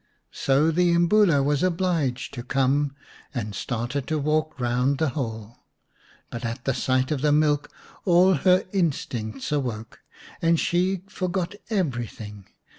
So the Imbula was obliged to come, and started to walk round the hole. But at the sight of the milk all her instincts awoke, and she forgot everything.